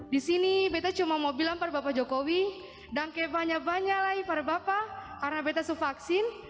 di sini saya hanya ingin mengatakan kepada bapak jokowi dan banyak banyak lagi kepada bapak karena saya sudah vaksin